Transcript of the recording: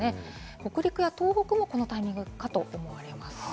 北陸や東北もこのタイミングかと思われます。